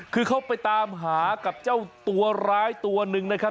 คือเขาไปตามหากับเจ้าตัวร้ายตัวหนึ่งนะครับ